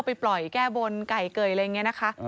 เบคอนเหรอครับ